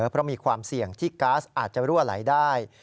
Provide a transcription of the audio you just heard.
เพราะมีความเสี่ยงที่ก๊าซอาจจะรั่วไหลได้